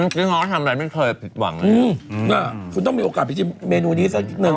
ที่เขาทำอะไรไม่เคยผิดหวังคุณต้องมีโอกาสไปชิมเมนูนี้สักนิดนึง